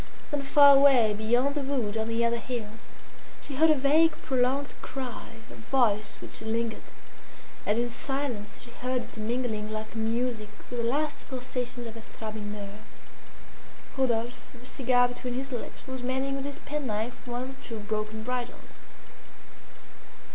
Then far away, beyond the wood, on the other hills, she heard a vague prolonged cry, a voice which lingered, and in silence she heard it mingling like music with the last pulsations of her throbbing nerves. Rodolphe, a cigar between his lips, was mending with his penknife one of the two broken bridles.